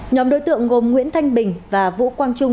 nhóm đối tượng gồm nguyễn thanh bình và vũ quang trung